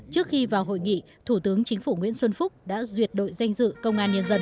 trước khi vào hội nghị thủ tướng chính phủ nguyễn xuân phúc đã duyệt đội danh dự công an nhân dân